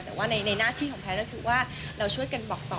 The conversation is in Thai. แต่ว่าในหน้าที่ของแพทย์ก็คือว่าเราช่วยกันบอกต่อ